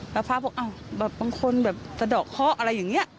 แล้วพระบอกอ้าวบางคนแบบสะดอกคล้ออะไรอย่างเงี้ย